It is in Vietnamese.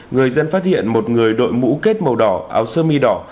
người dân phát hiện một người đội mũ kết màu đỏ áo sơ mi đỏ